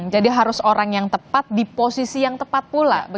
jadi harus orang yang tepat di posisi yang tepat pula